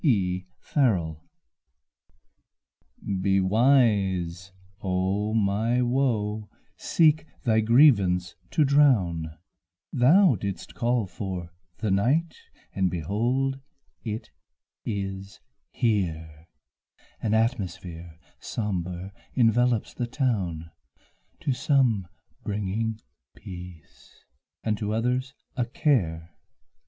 Meditation Be wise, O my Woe, seek thy grievance to drown, Thou didst call for the night, and behold it is here, An atmosphere sombre, envelopes the town, To some bringing peace and to others a care.